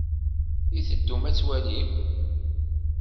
I teddum ad twalim?